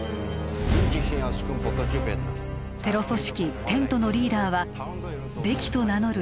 テロ組織テントのリーダーはベキと名乗る